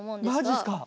マジっすか！？